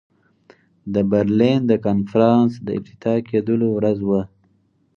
د برلین د کنفرانس د افتتاح کېدلو ورځ وه.